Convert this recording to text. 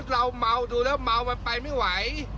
ก็มอลดูแล้วมอลมันไปไม่ไหว